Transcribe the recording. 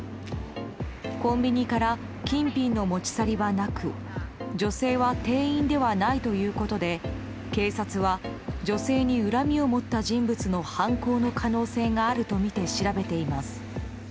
コンビニから金品の持ち去りはなく女性は店員ではないということで警察は女性に恨みを持った人物の犯行の可能性があるとみて調べています。